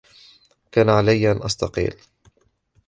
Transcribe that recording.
كان علي أن أستقيل.